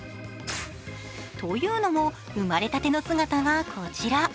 というのも、生まれたての姿がこちら。